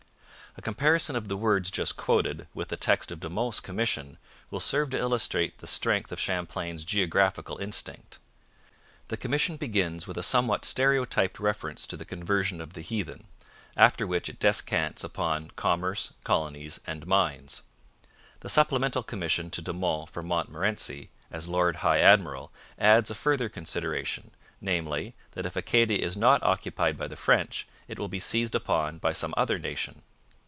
A comparison of the words just quoted with the text of De Monts' commission will serve to illustrate the strength of Champlain's geographical instinct. The commission begins with a somewhat stereotyped reference to the conversion of the heathen, after which it descants upon commerce, colonies, and mines. The supplementary commission to De Monts from Montmorency as Lord High Admiral adds a further consideration, namely, that if Acadia is not occupied by the French it will be seized upon by some other nation.